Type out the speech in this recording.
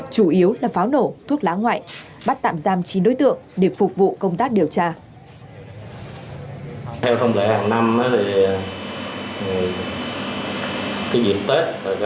chủ yếu là pháo nổ thuốc lá ngoại bắt tạm giam chín đối tượng để phục vụ công tác điều tra